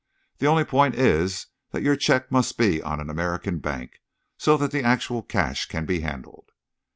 The only point is that your cheque must be on an American bank, so that the actual cash can be handled."